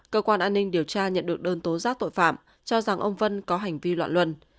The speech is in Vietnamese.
lê tùng vân đã được đơn tố giác tội phạm cho rằng ông vân có hành vi loạn luân